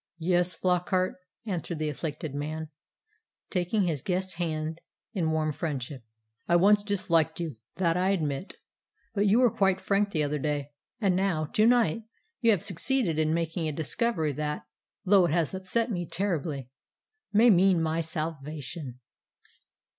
"Yes, Flockart," answered the afflicted man, taking his guest's hand in warm friendship. "I once disliked you that I admit; but you were quite frank the other day, and now to night you have succeeded in making a discovery that, though it has upset me terribly, may mean my salvation."